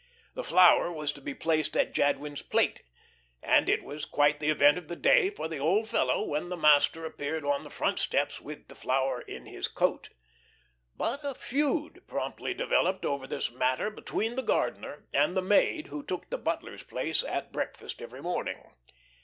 The flower was to be placed at Jadwin's plate, and it was quite the event of the day for the old fellow when the master appeared on the front steps with the flower in his coat. But a feud promptly developed over this matter between the gardener and the maid who took the butler's place at breakfast every morning.